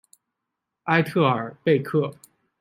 埃特尔贝克。